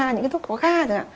những cái thuốc coca